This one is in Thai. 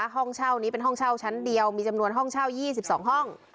ห้องเช่านี้เป็นห้องเช่าชั้นเดียวมีจำนวนห้องเช่า๒๒ห้อง